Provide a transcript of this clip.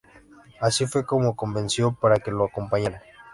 Así fue como me convenció para que lo acompañara.